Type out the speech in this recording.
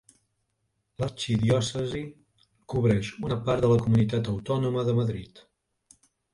L'arxidiòcesi cobreix una part de la comunitat autònoma de Madrid.